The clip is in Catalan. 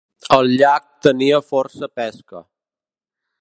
El llac tenia força pesca.